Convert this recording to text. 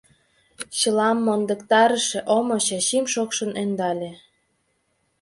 Чылам мондыктарыше омо Чачим шокшын ӧндале...